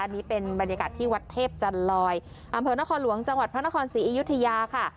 นี่เป็นบรรยากาศที่วัดเทพจันลอยอำเภอนครหลวงจังหวัดพระนครศรีอยุธยาค่ะ